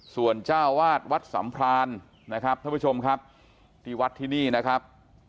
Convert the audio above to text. ส่วนเจ้าวาดวัดสัมพรานนะครับท่านผู้ชมครับที่วัดที่นี่นะครับ